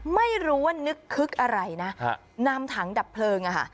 ไม่รู้ว่านึกคึกอะไรนะนำถังดับเพลิง